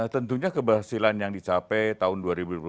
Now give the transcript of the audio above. tentunya keberhasilan yang dicapai tahun dua ribu dua puluh